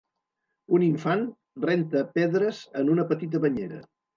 Un infant renta pedres en una petita banyera.